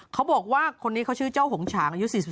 เขาบอกว่าคนนี้เขาชื่อเจ้าหงฉางอายุ๔๒